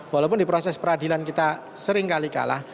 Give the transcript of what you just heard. walaupun di proses peradilan kita seringkali kalah